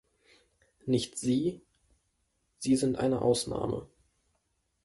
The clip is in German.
Nicht Sie Sie sind eine Ausnahme.